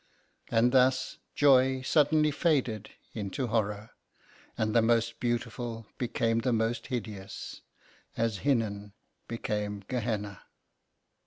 And thus, joy suddenly faded into horror, and the most beautiful became the most hideous, as Hinnon became Ge Henna.